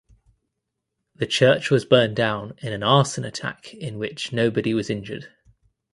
The church was burned down in an arson attack in which nobody was injured.